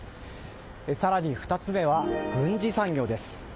更に２つ目は軍事産業です。